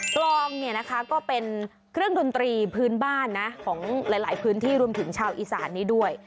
กลองเนี่ยนะคะก็เป็นเครื่องดนตรีพื้นบ้านนะของหลายพื้นที่รวมถึงชาวอีสานนี้ด้วย